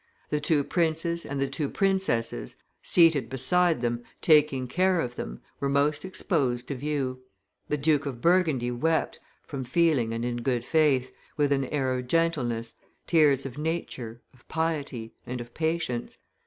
The two princes and the two princesses, seated beside them, taking care of them, were most exposed to view. The Duke of Burgundy wept, from feeling and in good faith, with an air of gentleness, tears of nature, of piety, and of patience.